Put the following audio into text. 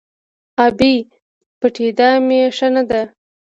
– ابۍ! پټېدا مې ښه نه ده.